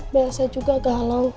biasa juga galau